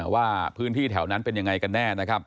ว่าพื้นที่แถวนั้นเป็นยังไงกันแน่นะครับ